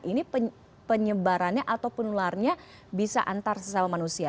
ini penyebarannya atau penularannya bisa antar sesama manusia